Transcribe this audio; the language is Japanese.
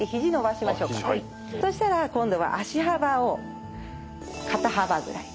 そしたら今度は足幅を肩幅ぐらいに。